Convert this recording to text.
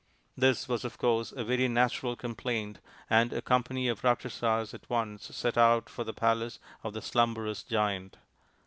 " This was, of course, a very natural complaint, and a company of Rakshasas at once set out for the palace of the Slumberous Giant.